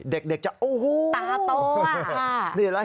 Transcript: เด็กจะตาตัว